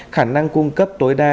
khả năng cung cấp tối đa